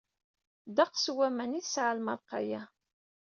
Ddeqs n waman i tesɛa lmerqa-a.